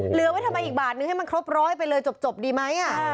เหลือไว้ทำไมอีกบาทนึงให้มันครบร้อยไปเลยจบดีไหม